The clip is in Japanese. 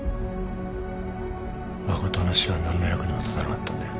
真の死は何の役にも立たなかったんだよ。